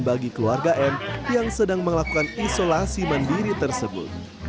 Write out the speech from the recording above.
bagi keluarga m yang sedang melakukan isolasi mandiri tersebut